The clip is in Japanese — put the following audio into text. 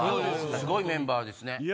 すごいメンバーですね。